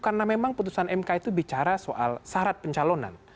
karena memang putusan mk itu bicara soal syarat pencalonan